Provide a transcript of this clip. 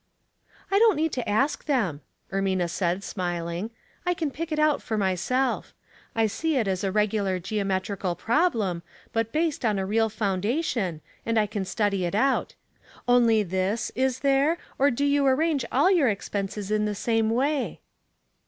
"I don't need to ask them,'' Ermina said, smiling. " I can pick it out for myself. I see it is a regular geometrical problem, but based on a real foundation, and I can study it out. Only this — is there — or do you ar range all your expenses in the same way